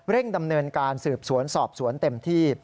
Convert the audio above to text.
ดำเนินการสืบสวนสอบสวนเต็มที่